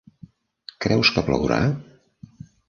Creus que plourà?